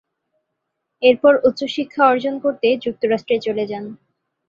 এরপর উচ্চ শিক্ষা অর্জন করতে যুক্তরাষ্ট্রে চলে যান।